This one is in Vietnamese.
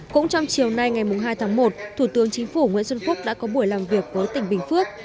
cũng trong chiều nay ngày hai tháng một thủ tướng chính phủ nguyễn xuân phúc đã có buổi làm việc với tỉnh bình phước